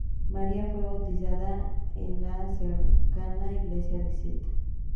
María fue bautizada en la cercana iglesia de St.